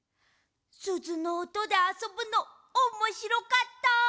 すずのおとであそぶのおもしろかった！